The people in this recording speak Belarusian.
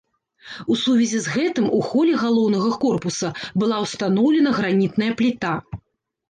У сувязі з гэтым у холе галоўнага корпуса была ўстаноўлена гранітная пліта.